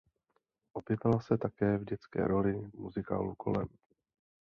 Objevila se také v dětské roli v muzikálu "Golem".